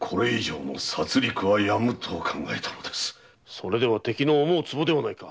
それでは敵の思うつぼではないか！